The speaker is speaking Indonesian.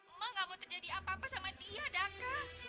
emak gak mau terjadi apa apa sama dia daka